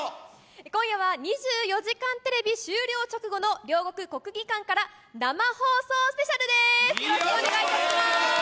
今夜は２４時間テレビ終了直後の両国・国技館から生放送スペシャルです。